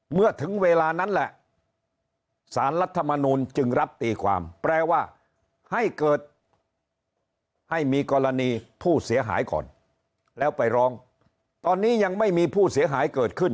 เมื่อถึงเวลานั้นแหละสารรัฐมนูลจึงรับตีความแปลว่าให้เกิดให้มีกรณีผู้เสียหายก่อนแล้วไปร้องตอนนี้ยังไม่มีผู้เสียหายเกิดขึ้น